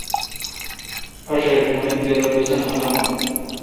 آݭیر پݨیل تہ رو بسنت الامہ۔